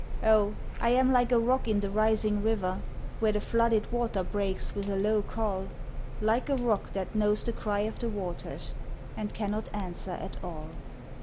Oh I am like a rock in the rising river Where the flooded water breaks with a low call Like a rock that knows the cry of the waters And cannot answer at all.